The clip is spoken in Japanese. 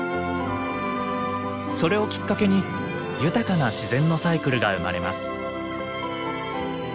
それをきっかけに豊かな自然のサイクルが生まれます。